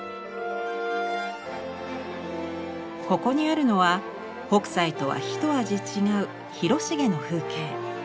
ここにあるのは北斎とは一味違う広重の風景。